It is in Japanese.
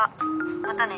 またね。